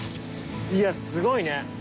いやすごいね。